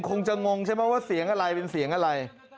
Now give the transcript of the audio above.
คงจะงงใช่ไหมว่าเสียงอะไรเป็นเสียงอะไร